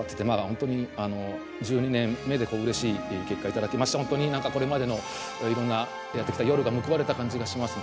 本当に１２年目でうれしい結果頂きまして本当にこれまでのいろんなやってきた夜が報われた感じがします。